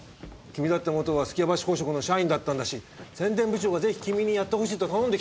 君だって元は数寄屋橋宝飾の社員だったんだし宣伝部長がぜひ君にやってほしいと頼んできたんだ。